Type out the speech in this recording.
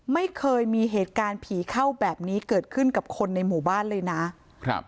ไม่เคยมีเหตุการณ์ผีเข้าแบบนี้เกิดขึ้นกับคนในหมู่บ้านเลยนะครับ